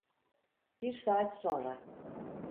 Bir saat sonra.